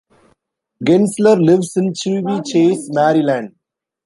Gentzler lives in Chevy Chase, Maryland.